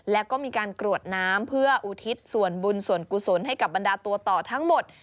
แล้วก็มีการกรวดน้ำเพื่ออุทิศส่วนบุญส่วนกุศลให้กับบรรดาตัวต่อทั้งหมด